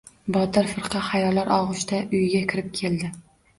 Botir firqa xayollar og‘ushida uyiga kirib keldi.